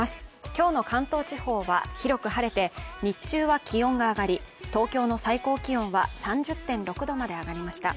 今日の関東地方は広く晴れて、日中は気温が上がり、東京の最高気温は３０．６度まで上がりました。